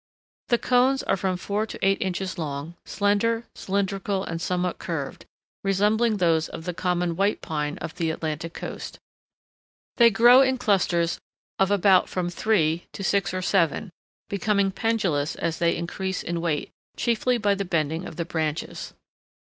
The cones are from four to eight inches long, slender, cylindrical, and somewhat curved, resembling those of the common White Pine of the Atlantic coast. They grow in clusters of about from three to six or seven, becoming pendulous as they increase in weight, chiefly by the bending of the branches.